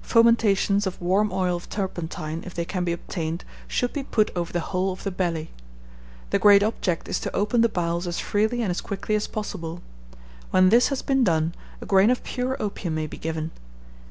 Fomentations of warm oil of turpentine, if they can be obtained, should be put over the whole of the belly. The great object is to open the bowels as freely and as quickly as possible. When this has been done, a grain of pure opium may be given.